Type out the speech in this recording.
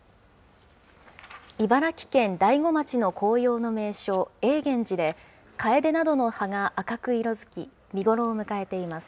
茨城県大子町の紅葉の名所、永源寺で、かえでなどの葉が赤く色づき、見頃を迎えています。